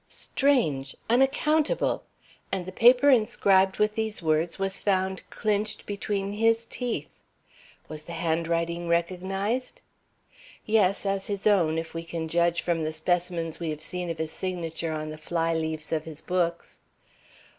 "Strange! Unaccountable! And the paper inscribed with these words was found clinched between his teeth! Was the handwriting recognized?" "Yes, as his own, if we can judge from the specimens we have seen of his signature on the fly leaves of his books."